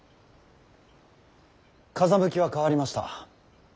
風向きは変わりました。